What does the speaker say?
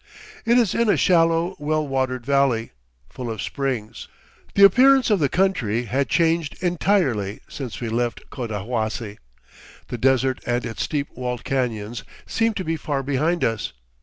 It is in a shallow, well watered valley, full of springs. The appearance of the country had changed entirely since we left Cotahuasi. The desert and its steep walled canyons seemed to be far behind us.